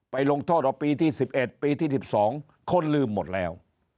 ลงโทษเอาปีที่๑๑ปีที่๑๒คนลืมหมดแล้ว